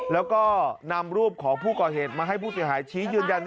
แล้วก็นำรูปของผู้ก่อเหตุมาให้ผู้เสียหายชี้ยืนยัน